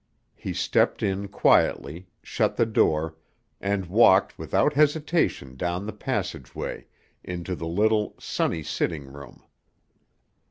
He stepped in quietly, shut the door, and walked without hesitation down the passageway into the little, sunny sitting room.